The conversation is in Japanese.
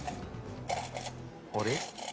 あれ？